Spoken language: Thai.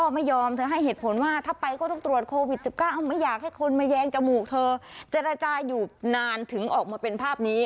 ไม่อยากให้คนมาแย้งจมูกเธอจะระจายอยู่นานถึงออกมาเป็นภาพนี้